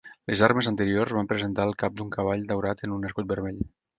Les armes anteriors van presentar el cap d'un cavall daurat en un escut vermell.